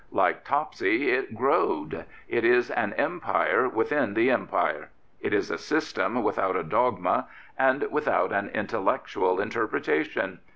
Like Topsy, " it growed." It is an empire within the Empire. It is a system without a dogma and without an intellectual interpretation.